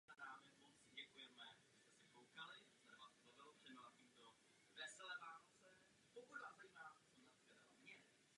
Od útlého dětství vyrůstal v Brně.